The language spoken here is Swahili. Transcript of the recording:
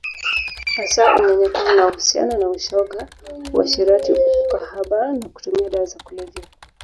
Hasa unyanyapaa unaohusiana na ushoga uasherati ukahaba na kutumia dawa za kulevya